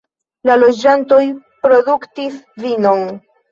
La loĝantoj produktis vinon.